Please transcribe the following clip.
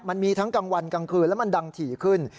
มันมีทั้งกลางวันกลางคืนแล้วมันดังถี่ขึ้น